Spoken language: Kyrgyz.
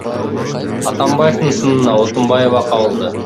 Атамбаевдин сынына Отунбаева кабылды.